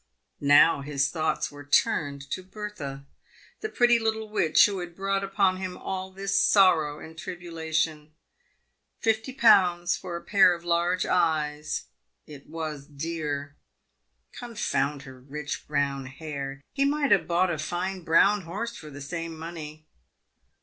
Now his thoughts were turned to Bertha, the pretty little witch who had brought upon him all this sorrow and tribulation. Fifty pounds for a pair of large eyes. It was dear. Confound her rich brown hair ! he might have bought a fine brown horse for the same money.